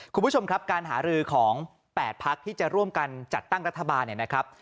คุณผู้ชมครับการหารือของ๘พักที่จะร่วมกันจัดตั้งรัฐบาลเนี่ยนะครับ